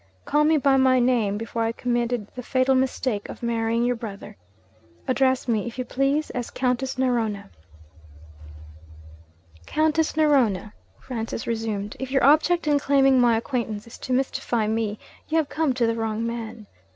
Call me by my name before I committed the fatal mistake of marrying your brother. Address me, if you please, as Countess Narona.' 'Countess Narona,' Francis resumed, 'if your object in claiming my acquaintance is to mystify me, you have come to the wrong man.